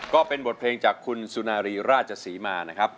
ก็เป็นบทเพลงจากคุณสุนารีราชศรีมานะครับ